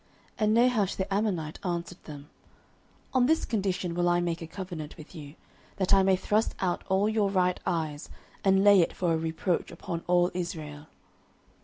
09:011:002 And Nahash the Ammonite answered them, On this condition will I make a covenant with you, that I may thrust out all your right eyes, and lay it for a reproach upon all Israel.